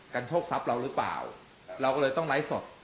กันโชคทรัพย์เรารึเปล่าครับเราก็เลยต้องไล่สด